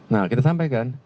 nah kita sampaikan